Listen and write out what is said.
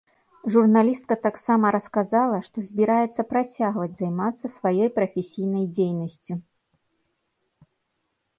Журналістка таксама расказала, што збіраецца працягваць займацца сваёй прафесійнай дзейнасцю.